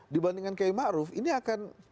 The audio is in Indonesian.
dibandingkan kayu ma'ruf ini akan